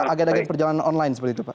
agak agak perjalanan online seperti itu pak